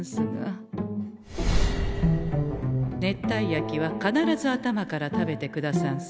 熱帯焼きは必ず頭から食べてくださんせ。